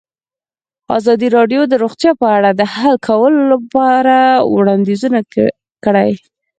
ازادي راډیو د روغتیا په اړه د حل کولو لپاره وړاندیزونه کړي.